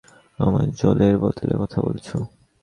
আমার জলের বোতলের কথা বলছো?